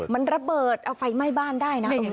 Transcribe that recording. มันระเบิดเอาไฟไหม้บ้านได้นะ